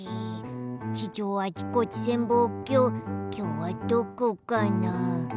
地上あちこち潜望鏡きょうはどこかな？